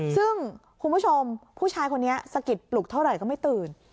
ซึ่งคุณผู้ชมผู้ชายคนนี้สะกิดปลุกเท่าไหร่ก็ไม่ตื่น